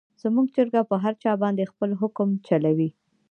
زموږ چرګه په هر چا باندې خپل حکم چلوي.